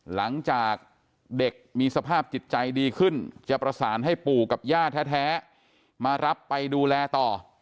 หลังจากเด็กมีสภาพจิตใจดีขึ้นจะประสานให้ปู่กับย่าแท้มารับไปดูแลต่อ